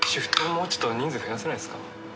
もうちょっと人数増やせないですか？